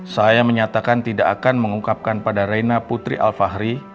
saya menyatakan tidak akan mengungkapkan pada reina putri alfahri